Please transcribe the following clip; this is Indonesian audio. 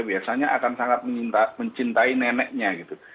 biasanya akan sangat mencintai neneknya gitu